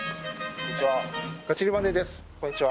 こんにちは